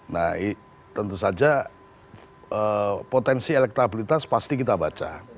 nah tentu saja potensi elektabilitas pasti kita baca